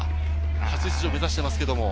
初出場を目指していますが。